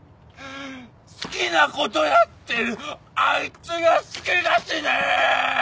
好きなことやってるあいつが好きだしねぇ！！